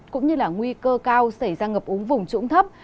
cũng như là nguy cơ cao xảy ra ngập úng vùng trũng thấp